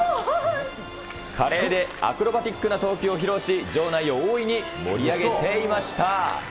華麗でアクロバティックな投球を披露し、場内を大いに盛り上げていました。